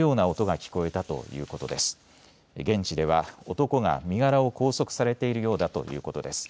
また現地では男が身柄を拘束されているようだということです。